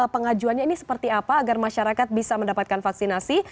pengajuannya ini seperti apa agar masyarakat bisa mendapatkan vaksinasi